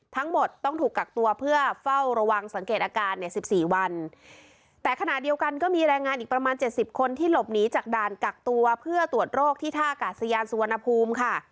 ทั้งหมดต้องถูกกักตัวเพื่อเฝ้าระวังสังเกตอาการเนี่ยสิบสี่วันแต่ขณะเดียวกันก็มีแรงงานอีกประมาณเจ็ดสิบคนที่หลบหนีจากด่านกักตัวเพื่อตรวจโรคที่ท่ากาศยานสุวรรณภูมิค่ะ